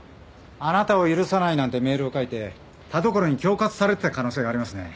「貴方を許さない」なんてメールを書いて田所に恐喝されてた可能性がありますね。